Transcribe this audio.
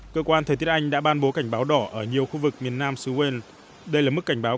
cơ quan thời tiết anh đã ban bố cảnh báo đỏ ở nhiều khu vực miền nam suên đây là mức cảnh báo